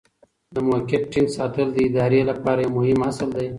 د موقف ټینګ ساتل د ادارې لپاره یو مهم اصل دی.